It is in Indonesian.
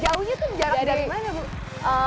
jauhnya tuh jarak dari mana bu